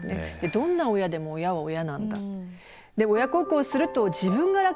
どんな親でも親は親なんだ。